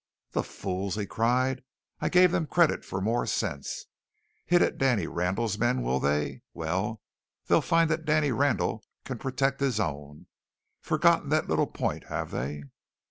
"The fools!" he cried. "I gave them credit for more sense. Hit at Danny Randall's men, will they? Well, they'll find that Danny Randall can protect his own! Forgotten that little point, have they?"